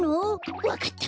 わかった。